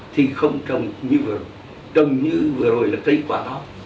thì không trồng như vừa trồng như vừa rồi là cây quả đó